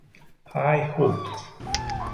High Hopes